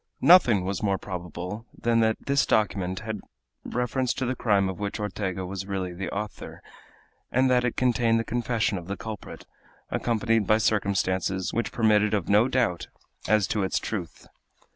Nothing was more probable than that this document had reference to the crime of which Ortega was really the author, and that it contained the confession of the culprit, accompanied by circumstances which permitted of no doubt as to its truth.